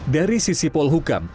dari sisi polhukam